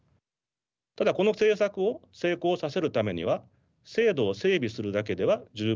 ただこの政策を成功させるためには制度を整備するだけでは十分でありません。